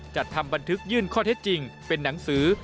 จัดทำบันทึกยื่นข้อเท็จจริงเป็นหนังสือ